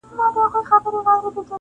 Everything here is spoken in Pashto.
سم په لاره کی اغزی د ستوني ستن سي!!